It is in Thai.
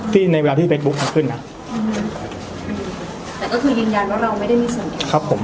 ที่ในเวลาที่เฟซบุ๊คถึงครับ